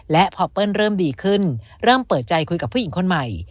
และพอเปิ้ลเริ่มดีขึ้นเริ่มเปิดใจคุยกับผู้หญิงคนใหม่